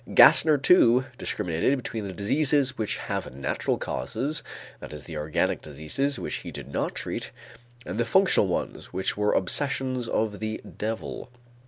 Gassner, too, discriminated between the diseases which have natural causes, that is the organic diseases, which he did not treat, and the functional ones, which were obsessions of the devil.